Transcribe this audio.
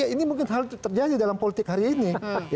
ini mungkin hal itu terjadi dalam politik hari ini